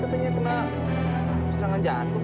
katanya kena serangan jantung